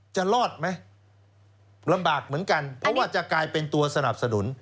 จะรอดไหมลำบากเหมือนกันเพราะว่าจะกลายเป็นตัวสนับสนุน